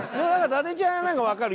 伊達ちゃんはなんかわかる。